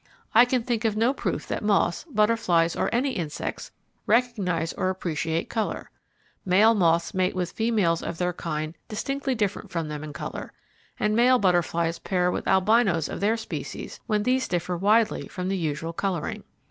I can think of no proof that moths, butterflies or any insects recognize or appreciate colour. Male moths mate with females of their kind distinctly different from them in colour, and male butterflies pair with albinos of their species, when these differ widely from the usual colouring.